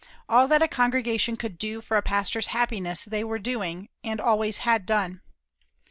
All that a congregation could do for a pastor's happiness they were doing, and always had done.